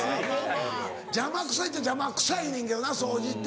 邪魔くさいっちゃ邪魔くさいねんけどな掃除って。